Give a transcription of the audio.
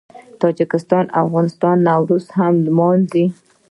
تاجکستان او افغانستان هم نوروز لمانځي.